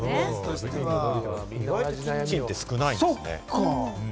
意外とキッチンって少ないですね。